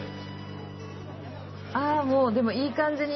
あぁもうでもいい感じに。